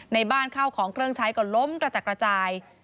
ในบ้านข้าวของเครื่องใช้ก็ล้มกระจัดกระจาย